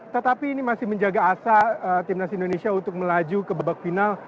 tetapi ini masih menjaga asa timnas indonesia untuk melaju ke babak final